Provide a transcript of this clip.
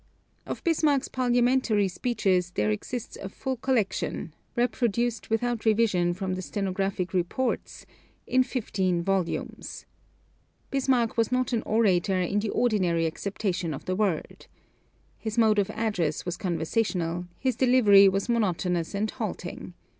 Of Bismarck's parliamentary speeches there exists a full collection (reproduced without revision from the stenographic reports) in fifteen volumes. Bismarck was not an orator in the ordinary acceptation of the word. His mode of address was conversational; his delivery was monotonous and halting.